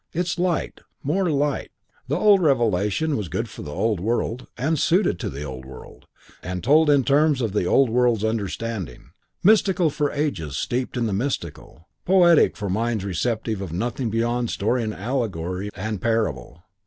It's Light: more light. The old revelation was good for the old world, and suited to the old world, and told in terms of the old world's understanding. Mystical for ages steeped in the mystical; poetic for minds receptive of nothing beyond story and allegory and parable.